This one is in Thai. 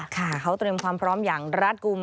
ค่ะเขาเตรียมความพร้อมอย่างรัฐกลุ่ม